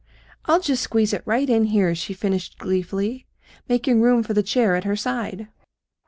"I'll just squeeze it right in here," she finished gleefully, making room for the chair at her side.